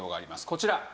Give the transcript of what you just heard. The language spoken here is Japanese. こちら。